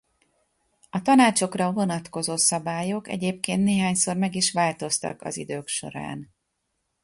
A tanácsokra vonatkozó szabályok egyébként néhányszor meg is változtak az idők során.